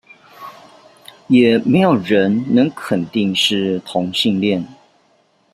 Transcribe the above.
也沒有人能肯定是同性戀